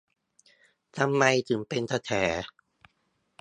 ทำไมถึงเป็นกระแส